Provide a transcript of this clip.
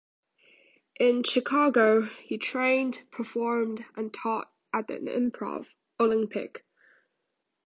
In Chicago, he trained, performed, and taught at the Improv Olympic.